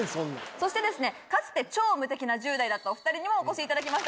そしてかつて超無敵な１０代だったお２人にもお越しいただきました。